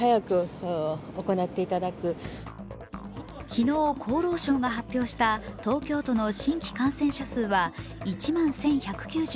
昨日、厚労省が発表した東京都の新規感染者数は１万１１９６人。